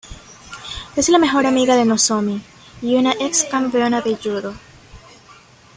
Es la mejor amiga de Nozomi y una ex-campeona de judo.